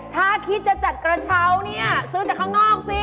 ถ้าคิดจะจัดกระเช้าเนี่ยซื้อจากข้างนอกสิ